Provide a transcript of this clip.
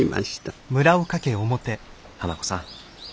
花子さん。